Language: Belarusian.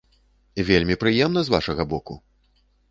Вельмі прыемна з вашага боку!